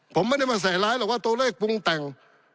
ผมไม่ได้มาใส่ร้ายหรอกว่าตัวเลขปรุงแต่ง